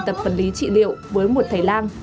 tập vật lý trị liệu với một thầy lang